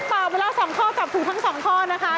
เปล่าเวลาสองข้อจับถูกทั้งสองข้อนะคะ